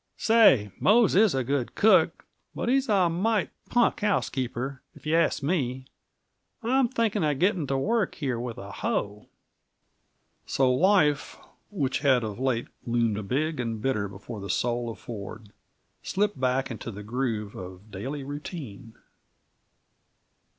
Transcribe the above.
Say, Mose is a good cook, but he's a mighty punk housekeeper, if you ask me. I'm thinking of getting to work here with a hoe!" So life, which had of late loomed big and bitter before the soul of Ford, slipped back into the groove of daily routine.